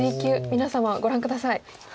皆様ご覧下さい。